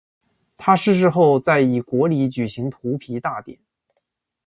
他逝世后在以国礼举行荼毗大典。